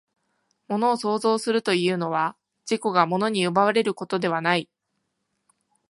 物を創造するというのは、自己が物に奪われることではない。